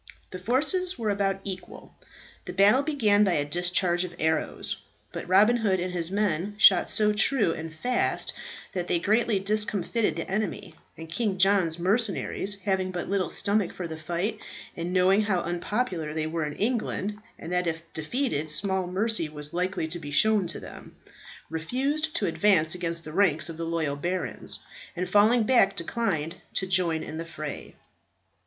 The forces were about equal. The battle began by a discharge of arrows; but Robin Hood and his men shot so true and fast that they greatly discomfited the enemy; and King John's mercenaries having but little stomach for the fight, and knowing how unpopular they were in England, and that if defeated small mercy was likely to be shown to them, refused to advance against the ranks of the loyal barons, and falling back declined to join in the fray.